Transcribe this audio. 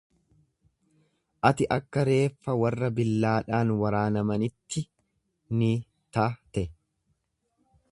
Ati akka reeffa warra billaadhaan waraanamanitti ni ta’te.